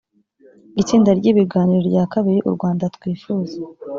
itsinda ry ibiganiro rya kabiri u rwanda twifuza